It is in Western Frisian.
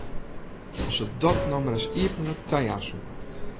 As se dat no mar ris iepentlik tajaan soe!